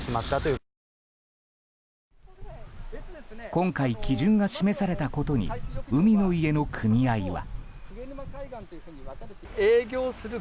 今回、基準が示されたことに海の家の組合は。